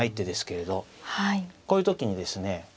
こういう時にですね